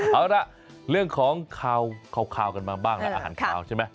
เอาละเรื่องของข่าวข่าวกันบ้างอาหารข่าวใช่ไหม